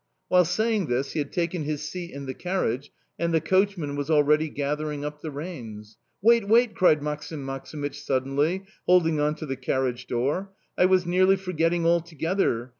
While saying this he had taken his seat in the carriage, and the coachman was already gathering up the reins. "Wait, wait!" cried Maksim Maksimych suddenly, holding on to the carriage door. "I was nearly forgetting altogether.